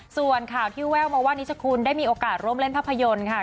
ส่วนข่าวที่แววมาว่านิชคุณได้มีโอกาสร่วมเล่นภาพยนตร์ค่ะ